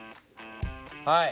はい。